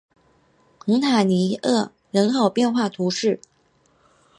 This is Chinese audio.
蒙塔尼厄人口变化图示